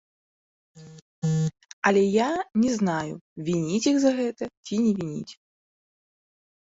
Але я не знаю, вініць іх за гэта ці не вініць.